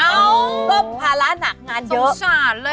อ้าวสงสารเลยอ่ะก็พาระหนักงานเยอะ